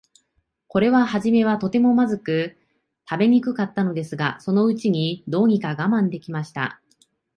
これははじめは、とても、まずくて食べにくかったのですが、そのうちに、どうにか我慢できました。